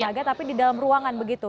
luar darbaga tapi di dalam ruangan begitu